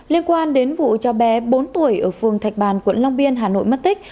liên quan đến vụ cho bé bốn tuổi ở phường thạch bàn quận long biên hà nội mất tích